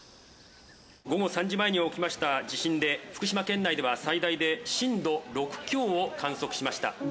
午後３時前に起きました地震で、福島県内では最大で震度６強を観測しました。